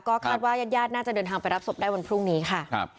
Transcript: ก็คาดว่ายาดน่าจะเดินทางไปรับศพได้วันพรุ่งนี้ค่ะ